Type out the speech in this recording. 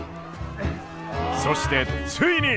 そしてついに。